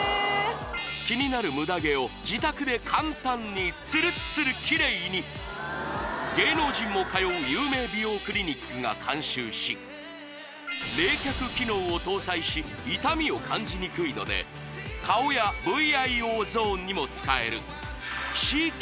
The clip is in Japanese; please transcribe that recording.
キニナルムダ毛を自宅で簡単につるっつるキレイに芸能人も通う有名美容クリニックが監修し冷却機能を搭載し痛みを感じにくいので顔やＶＩＯゾーンにも使えるＣＱ